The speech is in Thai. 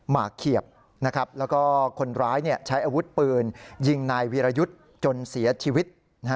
หมากเขียบแล้วก็คนร้ายใช้อาวุธปืนยิงนายวีรยุทธ์จนเสียชีวิต